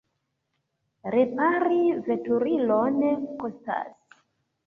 Repari veturilon kostas.